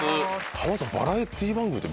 濱田さん。